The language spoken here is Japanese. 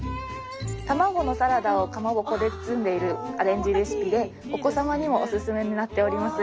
卵のサラダをかまぼこで包んでいるアレンジレシピでお子様にもおすすめになっております。